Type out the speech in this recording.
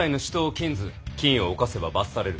禁を犯せば罰される。